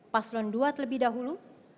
paslon dua lebih dahulu